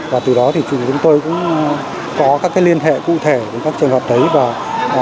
và từ đó thì chúng tôi cũng có các liên hệ cụ thể với các trường hợp đấy và